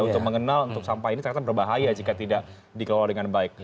untuk mengenal untuk sampah ini ternyata berbahaya jika tidak dikelola dengan baik